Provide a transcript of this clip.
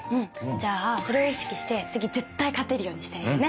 じゃあそれを意識して次絶対勝てるようにしたいよね。